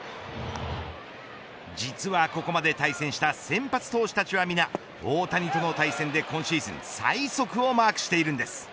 実はここまで対戦した先発投手たちは皆大谷との対戦で今シーズン最速をマークしているんです。